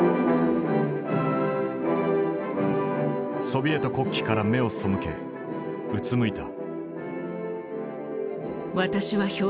ソビエト国旗から目を背けうつむいた。